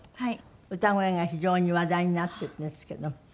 歌声が非常に話題になってるんですけど。